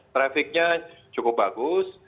trafficnya cukup bagus